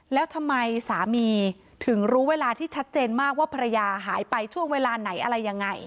แล้วทำไมสามีถึงรู้เวลาที่ชัดเจนมากว่าภรรยาหายไปช่วงเวลาไหนอะไรยังไง